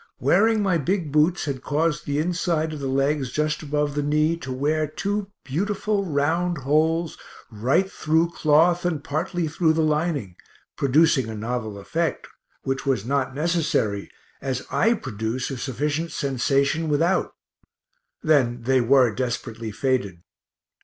Wearing my big boots had caused the inside of the legs just above the knee to wear two beautiful round holes right through cloth and partly through the lining, producing a novel effect, which was not necessary, as I produce a sufficient sensation without then they were desperately faded.